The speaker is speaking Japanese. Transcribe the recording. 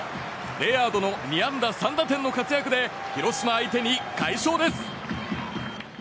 レアードの２安打３打点の活躍で広島相手に快勝です！